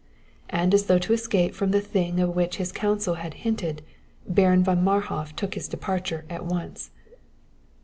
And as though to escape from the thing of which his counsel had hinted, Baron von Marhof took his departure at once.